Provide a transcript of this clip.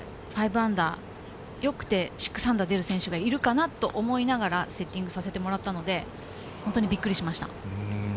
−５、良くて−６が出る選手がいるかなと思いながらセッティングさせてもらったので、本当にびっくりしました。